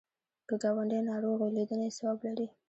که ګاونډی ناروغ وي، لیدنه یې ثواب لري